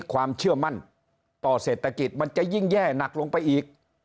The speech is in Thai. ความเชื่อมั่นต่อเศรษฐกิจมันจะยิ่งแย่หนักลงไปอีก